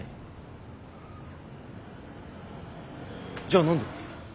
じゃあ何で？